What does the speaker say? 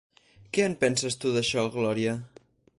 Què en penses tu d'això, Gloria?